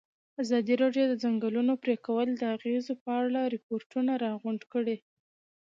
ازادي راډیو د د ځنګلونو پرېکول د اغېزو په اړه ریپوټونه راغونډ کړي.